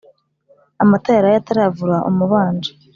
amata yaraye ataravura umubanji